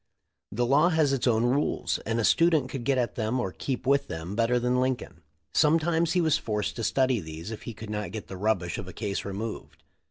The law has its own rules, and a student could get at them or keep with them better than Lincoln. Sometimes he was forced to study these if he could not get the rubbish of a case removed.